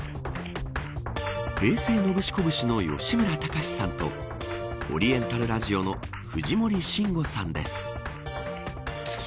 平成ノブシコブシの吉村崇さんとオリエンタルラジオの藤森慎吾さんです。